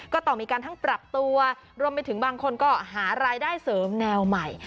ก็ต้องมีการทั้งปรับตัวรวมไปถึงบางคนก็หารายได้เสริมแนวใหม่